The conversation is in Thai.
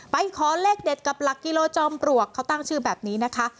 ขอเลขเด็ดกับหลักกิโลจอมปลวกเขาตั้งชื่อแบบนี้นะคะ